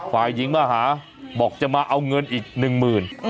ฝ่ายหญิงมาหาบอกจะมาเอาเงินอีกหนึ่งหมื่น